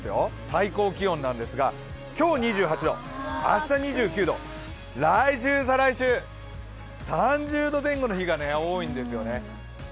最高気温なんですが、今日２８度、明日２９度、来週、再来週３０度前後の日が多いんですよね。